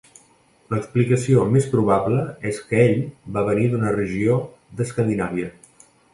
L'explicació més probable és que ell va venir d'una regió d'Escandinàvia.